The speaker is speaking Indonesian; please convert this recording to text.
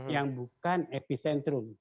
yang bukan epicentrum